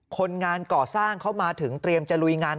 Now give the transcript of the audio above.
คนงานก่อสร้างเข้ามาถึงเตรียมจะลุยงาน